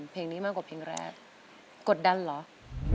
เพลงที่๒นี้มีมูลค่า๒หมื่นบาท